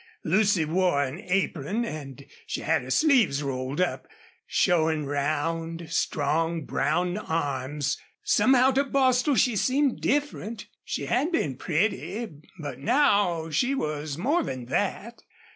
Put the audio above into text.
Lucy wore an apron and she had her sleeves rolled up, showing round, strong, brown arms. Somehow to Bostil she seemed different. She had been pretty, but now she was more than that.